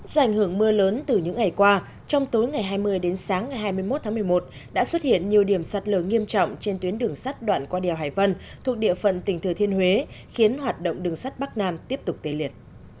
do ảnh hưởng mưa lớn từ những ngày qua trong tối ngày hai mươi đến sáng ngày hai mươi một tháng một mươi một đã xuất hiện nhiều điểm sạt lở nghiêm trọng trên tuyến đường sắt đoạn qua đèo hải vân thuộc địa phận tỉnh thừa thiên huế khiến hoạt động đường sắt bắc nam tiếp tục tê liệt